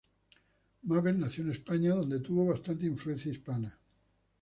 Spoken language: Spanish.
Mabel nació en España, donde tuvo bastante influencia hispana.